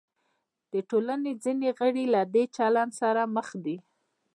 د ټولنې ځینې غړي له دې چلند سره مخ دي.